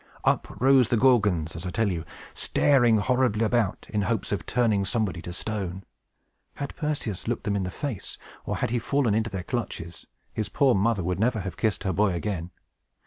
Up rose the Gorgons, as I tell you, staring horribly about, in hopes of turning somebody to stone. Had Perseus looked them in the face, or had he fallen into their clutches, his poor mother would never have kissed her boy again!